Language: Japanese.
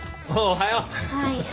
おはよう。